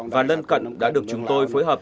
và lân cận đã được chúng tôi phối hợp